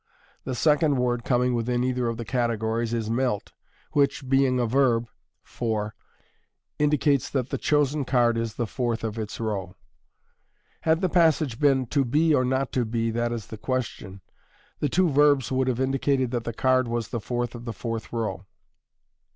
The second word coming within either of the categories is " melt," which, being a verb (4), indicates that the chosen card is the fourth of its row. Had the passage been " To be, or not to be, that is the question/' the two verbs would have indicated that the card was the fourth of the fourth row.